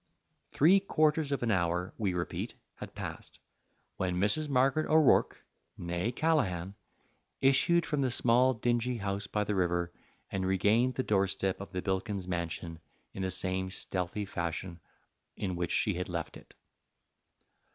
Three quarters of an hour, we repeat, had passed, when Mrs. Margaret O'Rourke, née Callaghan, issued from the small, dingy house by the river and regained the doorstep of the Bilkins Mansion in the same stealthy fashion in which she had left it.